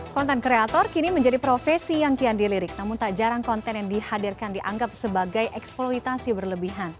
konten kreator kini menjadi profesi yang kian dilirik namun tak jarang konten yang dihadirkan dianggap sebagai eksploitasi berlebihan